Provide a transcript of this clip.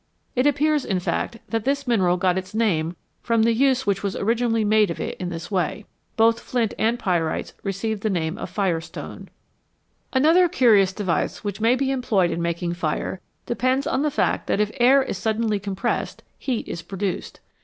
It appears, in fact, that this mineral got its name from the use which was originally made of it in this way. Both flint and pyrites received the name of "fire stone" (Greek Another curious device which may be employed in making fire depends on the fact that if air is suddenly compressed, heat is produced.